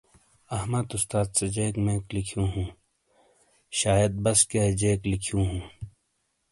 احمد استاد سے جیک میک لکھیو ہوں شائید بسکیئائی جیک لکھیوں ہوں ۔